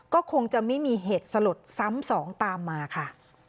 ก็คงจะไม่มีเหตุสลดซ้ำสองตามมาค่ะ